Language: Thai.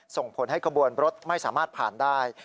ส่งผลให้ขบวนรถไม่สามารถผ่านได้